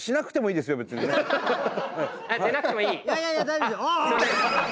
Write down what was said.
いやいや大丈夫ですよ。